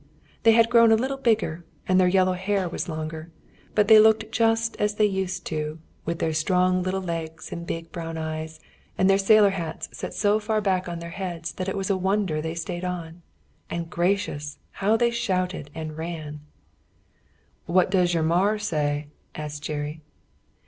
They had grown a little bigger, and their yellow hair was longer, but they looked just as they used to, with their strong little legs and big brown eyes, and their sailor hats set so far back on their heads that it was a wonder they stayed on. And gracious! how they shouted and ran. "What does yer mar say?" asked Jerry.